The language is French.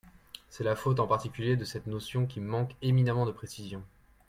C’est la faute en particulier de cette notion qui manque éminemment de précision.